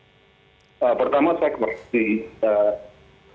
pertama saya kemarsih